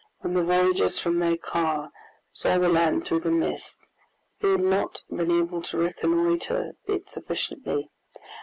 When the voyagers from their car saw the land through the mist, they had not been able to reconnoiter it sufficiently.